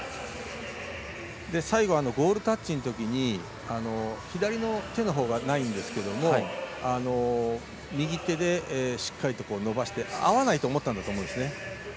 最後はゴールタッチのときに左の手のほうがないんですけど右手でしっかりと伸ばして合わないと思ったんだと思うんです。